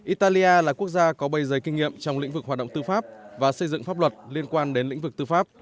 italia là quốc gia có bày giấy kinh nghiệm trong lĩnh vực hoạt động tư pháp và xây dựng pháp luật liên quan đến lĩnh vực tư pháp